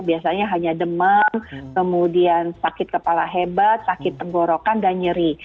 biasanya hanya demam kemudian sakit kepala hebat sakit tenggorokan dan nyeri